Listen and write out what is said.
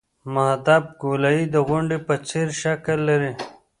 محدب ګولایي د غونډۍ په څېر شکل لري